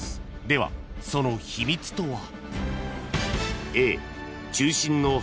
ではその秘密とは？］